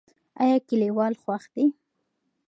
ایا کلیوال خوښ دي؟